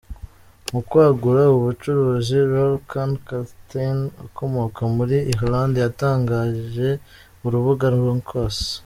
Mu kwagura ubu bucuruzi, Lorcan Cathain ukomoka muri Ireland yatangije urubuga Ronkos.